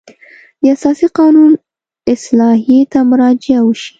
د اساسي قانون اصلاحیې ته مراجعه وشي.